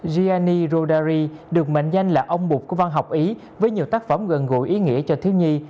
gyani rodari được mệnh danh là ông bục của văn học ý với nhiều tác phẩm gần gũi ý nghĩa cho thiếu nhi